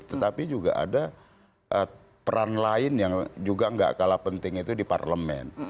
tetapi juga ada peran lain yang juga gak kalah penting itu di parlemen